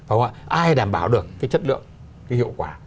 ai đảm bảo được cái chất lượng cái hiệu quả